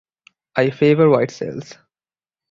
I favor white sails.